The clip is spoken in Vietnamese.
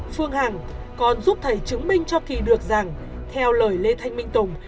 phương hằng còn giúp thầy chứng minh cho kỳ được rằng theo lời lê thanh minh tùng